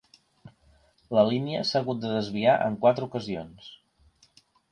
La línia s'ha hagut de desviar en quatre ocasions.